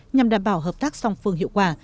nhằm đảm bảo hợp tác song phương hiệu quả